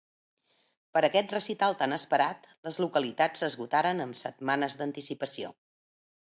Per a aquest recital tan esperat les localitats s'esgotaren amb setmanes d'anticipació.